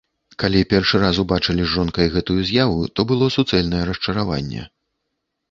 Калі першы раз убачылі з жонкай гэтую з'яву, то было суцэльнае расчараванне.